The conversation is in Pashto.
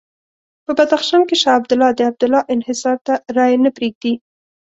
په بدخشان کې شاه عبدالله د عبدالله انحصار ته رایې نه پرېږدي.